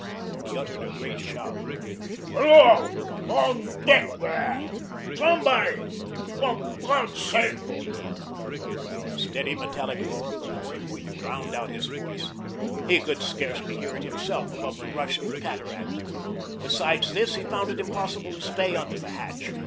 He uttered a great shout. "Hello, on deck there, somebody. For God's sake." The steady, metallic roar of the pouring wheat drowned out his voice. He could scarcely hear it himself above the rush of the cataract. Besides this, he found it impossible to stay under the hatch.